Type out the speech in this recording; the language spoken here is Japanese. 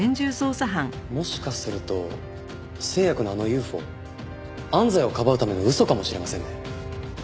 もしかすると星也くんのあのＵＦＯ安西をかばうための嘘かもしれませんね。